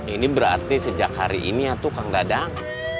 ini berarti sejak hari ini atuh kang dadang